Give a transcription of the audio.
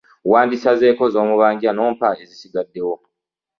Wandisazeeko z'ommanja n'ompa ezisigaddewo.